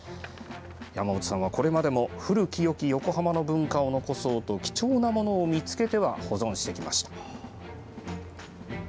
山本さんは、これまでも古きよき横浜の文化を残そうと貴重なものを見つけては保存してきました。